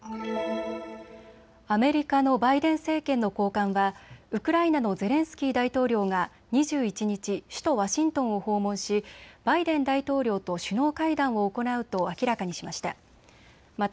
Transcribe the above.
アメリカのバイデン政権の高官はウクライナのゼレンスキー大統領が２１日、首都ワシントンを訪問しバイデン大統領と首脳会談を行うと明らかにしました。